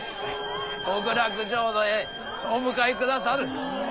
極楽浄土へお迎えくださる。